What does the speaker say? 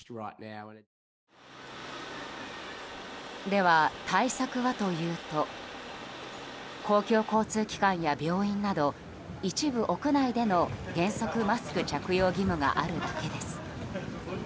では、対策はというと公共交通機関や病院など一部屋内での原則マスク着用義務があるだけです。